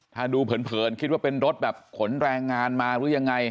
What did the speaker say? ถ้าดูเผินคิดว่าเป็นรถแบบขนแรงงานมาหรือยังไง